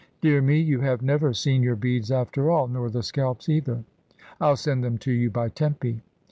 "Dear me, you have never seen your beads after all, nor the scalps either. Fll send them to you by Tempy."